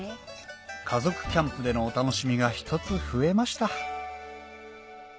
家族キャンプでのお楽しみが１つ増えました